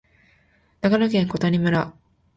長野県小谷村